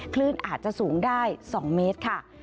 คลื่นอาจจะสูงได้๒เมตรค่ะ